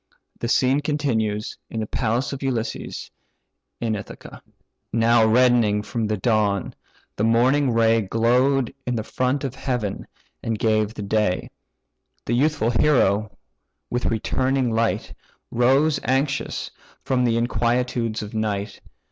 The scene continues in the palace of Ulysses, in Ithaca. Now reddening from the dawn, the morning ray Glow'd in the front of heaven, and gave the day The youthful hero, with returning light, Rose anxious from the inquietudes of night.